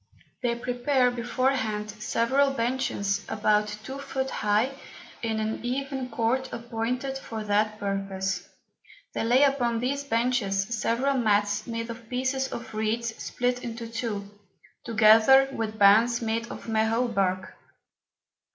They prepare before hand, several Benches about two Foot high, in an even Court appointed for that purpose; they lay upon these Benches several Mats made of pieces of Reeds split in two, together with Bands made of Mahot Bark.